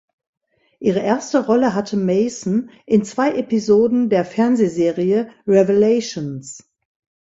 Ihre erste Rolle hatte Mason in zwei Episoden der Fernsehserie "Revelations".